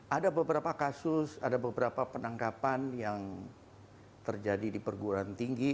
ada beberapa kasus ada beberapa penangkapan yang terjadi di perguruan tinggi